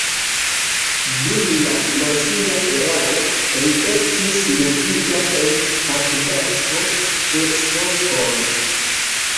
Dum la nazia erao li estis murdita en apudaĵo de Sopron.